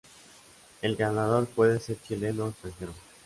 El ganador puede ser chileno o extranjero.